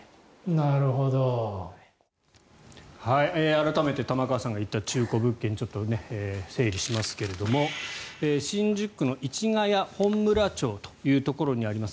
改めて玉川さんが行った中古物件ちょっと整理しますけれども新宿区の市谷本村町というところにあります。